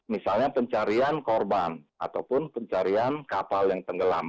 misalnya pencarian korban ataupun pencarian kapal yang tenggelam